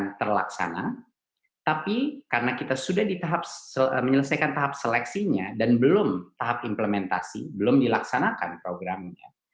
pasti akan terlaksana tapi karena kita sudah menyelesaikan tahap seleksinya dan belum tahap implementasi belum dilaksanakan programnya